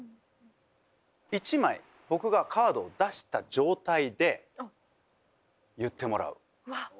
一枚僕がカードを出した状態で言ってもらう。